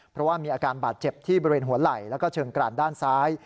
เพราะว่ามีอาการบาดเจ็บที่บริเวณหัวไหล่แล้วก็เชิงกรานด้านซ้าย